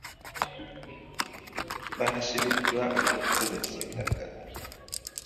Baasibiddwa olw'okukozesa ebiragalalagala.